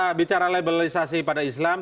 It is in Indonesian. kita bicara labelisasi pada islam